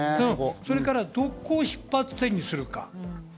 それから、どこを出発点にするか。